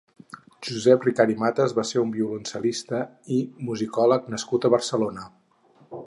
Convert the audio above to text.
Josep Ricart i Matas va ser un violoncel·lista i musicòleg nascut a Barcelona.